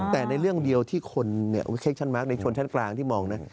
แต่ในเรื่องเดียวที่คนเนี่ยในชนชั้นกลางที่มองน่ะ